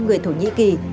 người thổ nhĩ kỳ